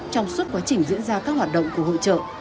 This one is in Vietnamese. trong suốt quá trình diễn ra các hoạt động của hội trợ